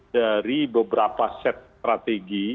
dari beberapa set strategi